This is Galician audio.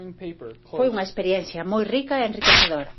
Foi unha experiencia moi rica e enriquecedora.